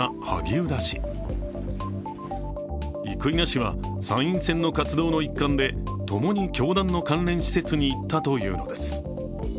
生稲氏は参院選の活動の一環でともに教団の関連施設に行ったというのです。